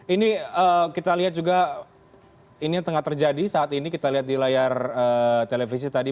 ini kita lihat juga ini yang tengah terjadi saat ini kita lihat di layar televisi tadi